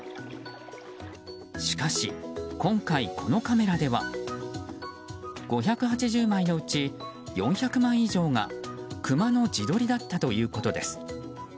しかし今回、このカメラでは５８０枚のうち４００枚以上がクマの自撮りだったということです。